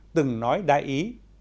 từng nói đại ý